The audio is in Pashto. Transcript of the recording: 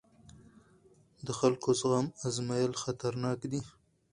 د خلکو زغم ازمېیل خطرناک دی